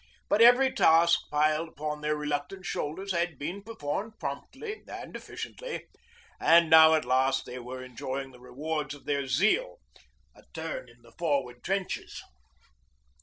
But every task piled upon their reluctant shoulders had been performed promptly and efficiently, and now at last they were enjoying the reward of their zeal a turn in the forward trenches.